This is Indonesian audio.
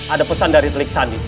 ada pesan dari riksandi